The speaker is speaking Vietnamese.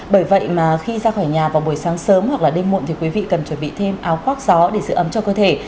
bởi vậy mà khi ra khỏi nhà vào buổi sáng sớm hoặc là đêm muộn thì quý vị cần chuẩn bị thêm áo khoác gió để giữ ấm cho cơ thể